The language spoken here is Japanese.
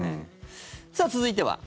さあ、続いては。